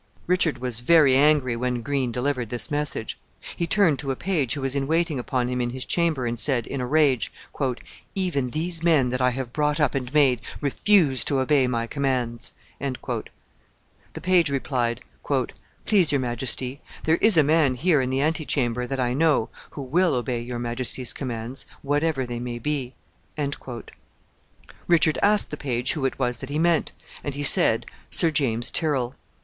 Richard was very angry when Green delivered this message. He turned to a page who was in waiting upon him in his chamber, and said, in a rage, "Even these men that I have brought up and made, refuse to obey my commands." The page replied, "Please your majesty, there is a man here in the ante chamber, that I know, who will obey your majesty's commands, whatever they may be." Richard asked the page who it was that he meant, and he said Sir James Tyrrel.